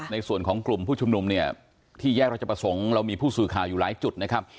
ในส่วนของกลุ่มผู้ชุมนุมเนี่ยที่แยกราชประสงค์เรามีผู้สื่อข่าวอยู่หลายจุดนะครับ